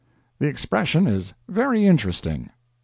The expression is very interesting.